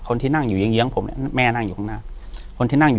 คนที่นั่งอยู่เยื้องเยื้องผมเนี่ยแม่นั่งอยู่ข้างหน้าคนที่นั่งอยู่